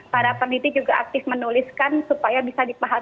para peneliti juga aktif menuliskan supaya bisa dipahami dengan bahasa awam